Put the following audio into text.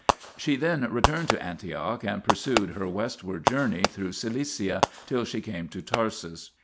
She then returned to Antioch and pursued her westward journey, through Cilicia, till she came to Tarsus.